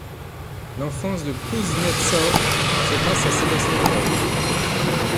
L'enfance de Kuznetsov se passe à Sébastopol.